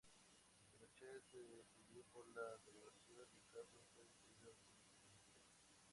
Pinochet se decidió por la devaluación y Castro fue despedido del Ministerio.